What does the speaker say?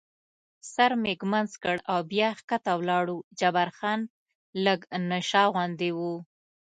سر مې ږمنځ کړ او بیا کښته ولاړو، جبار خان لږ نشه غوندې و.